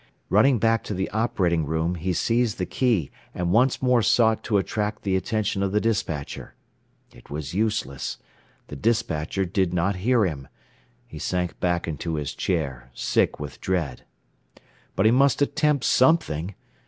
Running back to the operating room he seized the key and once more sought to attract the attention of the despatcher. It was useless. The despatcher did not hear him. He sank back in his chair, sick with dread. But he must attempt something!